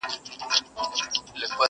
ما به شپېلۍ ږغول!!